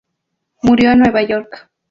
Murió en Nueva York.